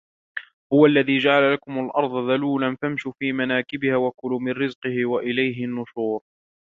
هو الذي جعل لكم الأرض ذلولا فامشوا في مناكبها وكلوا من رزقه وإليه النشور